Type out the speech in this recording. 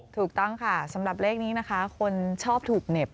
ถูกต้องค่ะสำหรับเลขนี้นะคะคนชอบถูกเหน็บ